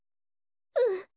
うん。